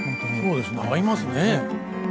そうですね合いますね。